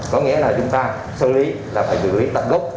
có nghĩa là chúng ta xử lý là phải xử lý tận gốc